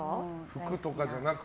服とかじゃなく。